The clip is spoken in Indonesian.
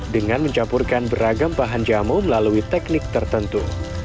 dengan mencampurkan beragam bahan jamu melalui teknik tertentu